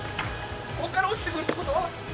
こっから落ちてくるってこと？